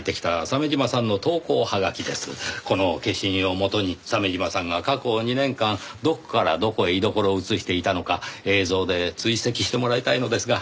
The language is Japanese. この消印を基に鮫島さんが過去２年間どこからどこへ居所を移していたのか映像で追跡してもらいたいのですが。